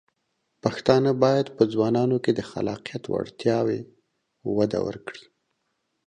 پښتانه بايد په ځوانانو کې د خلاقیت وړتیاوې وده ورکړي.